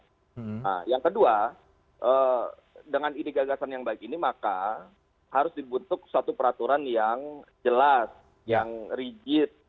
nah yang kedua dengan ide gagasan yang baik ini maka harus dibentuk suatu peraturan yang jelas yang rigid